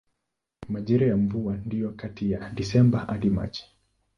Majira ya mvua ndiyo kati ya Desemba hadi Machi.